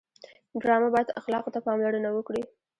ډرامه باید اخلاقو ته پاملرنه وکړي